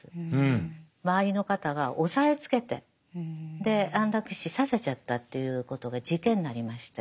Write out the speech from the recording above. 周りの方が押さえつけてで安楽死させちゃったということが事件になりまして。